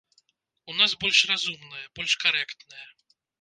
У нас больш разумная, больш карэктная.